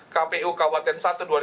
kpu kabupaten satu dua ribu delapan belas